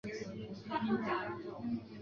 后迁于今河南省济源市。